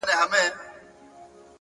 هڅه د تقدیر دروازې ټکوي!